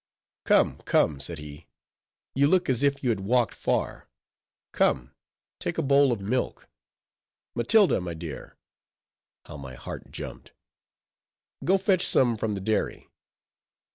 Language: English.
"Come, come," said he, "you look as if you had walked far; come, take a bowl of milk. Matilda, my dear" (how my heart jumped), "go fetch some from the dairy."